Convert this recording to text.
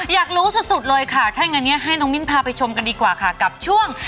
อยากรู้สุดเลยค่ะถ้าอย่างนั้นให้น้องมิ้นพาไปชมกันดีกว่าค่ะกับช่วง